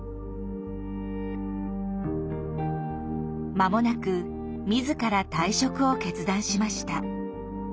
間もなく自ら退職を決断しました。